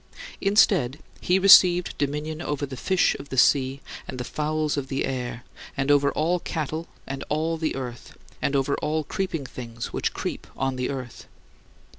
Instead, he received dominion over the fish of the sea, and the fowls of the air; and over all cattle, and all the earth; and over all creeping things which creep on the earth.